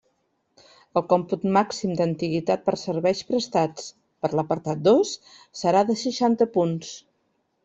El còmput màxim d'antiguitat per serveis prestats per l'apartat dos serà de seixanta punts.